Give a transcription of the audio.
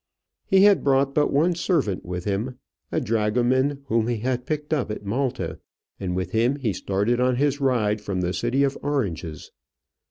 He had brought but one servant with him, a dragoman whom he had picked up at Malta, and with him he started on his ride from the city of oranges.